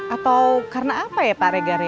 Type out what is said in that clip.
atau karena apa ya pak regar ya